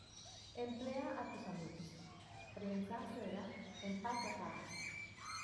Emplea a tus amigos, prensa cera, empaca cajas.